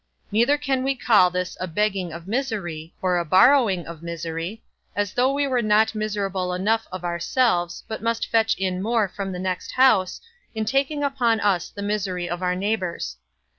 Neither can we call this a begging of misery, or a borrowing of misery, as though we were not miserable enough of ourselves, but must fetch in more from the next house, in taking upon us the misery of our neighbours.